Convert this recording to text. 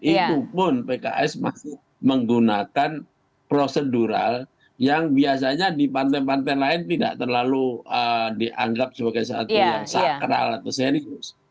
itu pun pks masih menggunakan prosedural yang biasanya di pantai pantai lain tidak terlalu dianggap sebagai satu yang sakral atau serius